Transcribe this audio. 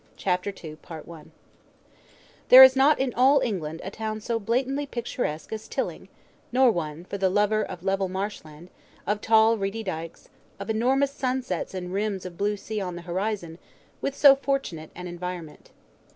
CHAPTER TWO There is not in all England a town so blatantly picturesque as Tilling, nor one, for the lover of level marsh land, of tall reedy dykes, of enormous sunsets and rims of blue sea on the horizon, with so fortunate an environment.